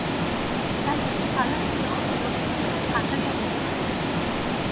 একজন খালাসিও লোকজনদের হাঁটাইয়া দিতেছিল।